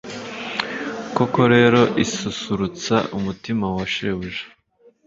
koko rero isusurutsa umutima wa shebuja